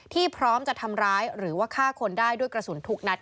พร้อมจะทำร้ายหรือว่าฆ่าคนได้ด้วยกระสุนทุกนัด